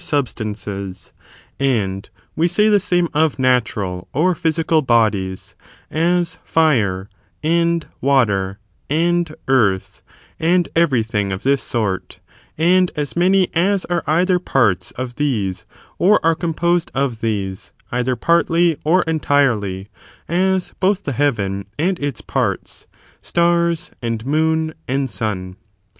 ^^ substances; and we say the same of natural or physical bodies, as fire, and water, and earth, and every thing of this sort ; and as many as are either parts of these or are composed of these, either partly or entirely, as both the heaven and its parts, stars, and moon, and sim.